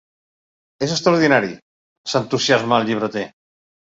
És extraordinari! —s'entusiasma el llibreter—.